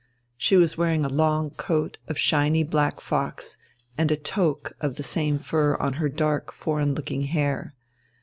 She was wearing a long coat of shiny black fox, and a toque of the same fur on her dark foreign looking hair.